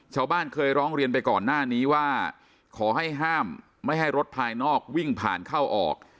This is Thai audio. ชาวบ้านเคยร้องเรียนไปก่อนหน้านี้ว่าขอให้ห้ามไม่ให้รถภายนอกวิ่งผ่านเข้าออก